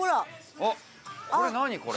あこれ何？これ？